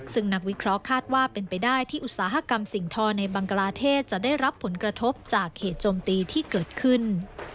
ซึ่งนักวิเคราะห์คาดว่าเป็นไปได้ที่อุตสาหกรรมสิ่งทอในบังกลาเทศจะได้รับผลกระทบจากเหตุโจมตีที่เกิดขึ้น